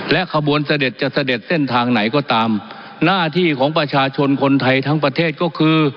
ขบวนเสด็จจะเสด็จเส้นทางไหนก็ตามหน้าที่ของประชาชนคนไทยทั้งประเทศก็คือ